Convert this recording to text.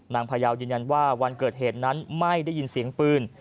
พยาวยืนยันว่าวันเกิดเหตุนั้นไม่ได้ยินเสียงปืน